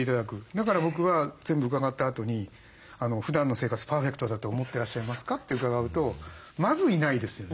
だから僕は全部伺ったあとに「ふだんの生活パーフェクトだと思ってらっしゃいますか？」って伺うとまずいないですよね。